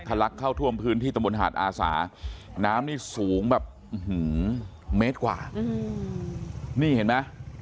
ลักเข้าท่วมพื้นที่ตะบนหาดอาสาน้ำนี่สูงแบบเมตรกว่านี่เห็นไหม